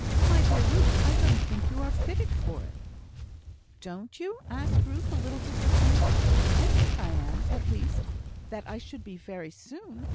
"My dear Ruth, I don't think you are fitted for it!" "Don't you?" said Ruth, a little disappointed. "I think I am; at least, that I should be very soon.